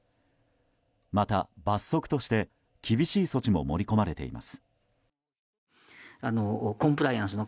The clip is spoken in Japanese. また罰則として厳しい措置も盛り込まれています。